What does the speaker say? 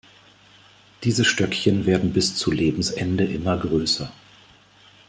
Diese Stöckchen werden bis zu Lebensende immer größer.